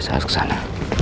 saya harus kesana